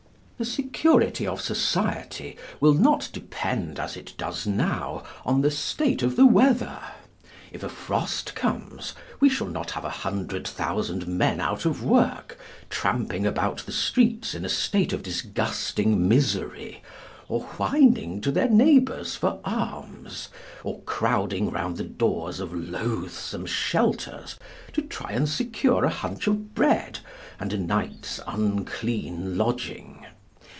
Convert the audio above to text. The security of society will not depend, as it does now, on the state of the weather. If a frost comes we shall not have a hundred thousand men out of work, tramping about the streets in a state of disgusting misery, or whining to their neighbours for alms, or crowding round the doors of loathsome shelters to try and secure a hunch of bread and a night's unclean lodging.